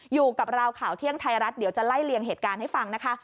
อยู่กับเราข่าวเที่ยงไทยรัฐเดี๋ยวจะไล่เลี่ยงเหตุการณ์ให้ฟังนะคะ